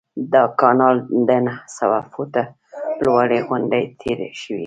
دا کانال د نهه سوه فوټه لوړې غونډۍ تیر شوی.